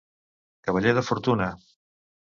Cavaller de fortuna.